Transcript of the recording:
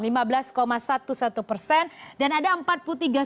dan ada empat puluh tiga saham yang bermain di sektor pertanian